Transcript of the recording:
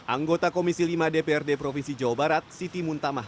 anggota komisi lima dprd provinsi jawa barat siti muntamah